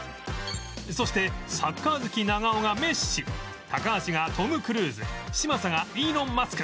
そしてサッカー好き長尾がメッシ高橋がトム・クルーズ嶋佐がイーロン・マスク